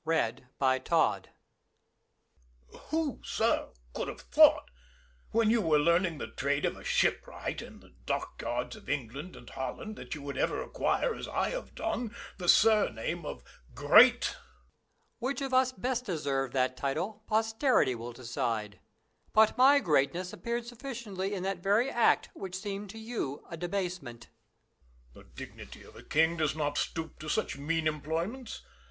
Louis. Who, sir, could have thought, when you were learning the trade of a shipwright in the dockyards of England and Holland, that you would ever acquire, as I had done, the surname of "Great." Peter. Which of us best deserved that title posterity will decide. But my greatness appeared sufficiently in that very act which seemed to you a debasement. Louis. The dignity of a king does not stoop to such mean employments.